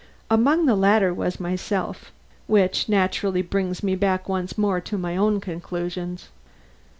Among the latter was myself; which naturally brings me back once more to my own conclusions.